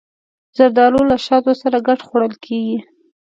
زردالو له شاتو سره ګډ خوړل کېږي.